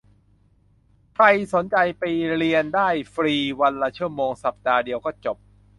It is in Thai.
ใครสนใจไปเรียนได้ ฟรี วันละชั่วโมง สัปดาห์เดียวก็จบ